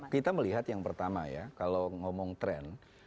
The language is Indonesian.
kita melihat yang pertama ya kalau ngomong tren